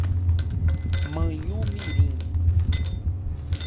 Manhumirim